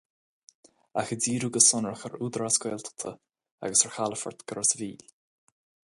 Ach ag díriú go sonrach ar údarás Gaeltachta agus ar chalafort do Ros an Mhíl.